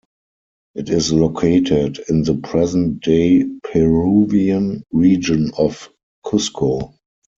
It is located in the present-day Peruvian region of Cusco.